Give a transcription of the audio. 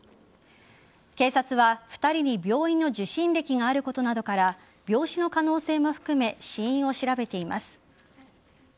警察は、２人に病院の受診歴があることなどから病死の可能性も含め死因を調べています。